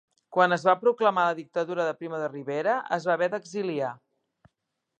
Quan es va proclamar la Dictadura de Primo de Rivera es va haver d'exiliar.